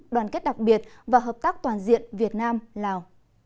đoàn kết đặc biệt và hợp tác toàn diện việt nam lào